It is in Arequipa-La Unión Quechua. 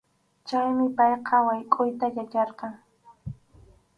Chaymi payqa waykʼuyta yacharqan.